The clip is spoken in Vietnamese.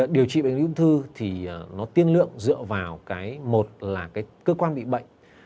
điều trị bệnh lý ung thư tiên lượng dựa vào một là cơ quan bị bệnh